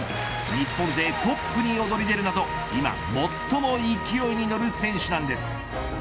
日本勢トップに躍り出るなど今最も勢いに乗る選手なんです。